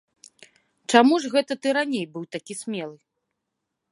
Чаму ж гэта ты раней быў такі смелы?!